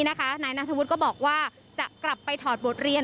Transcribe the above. นายนัทธวุฒิก็บอกว่าจะกลับไปถอดบทเรียน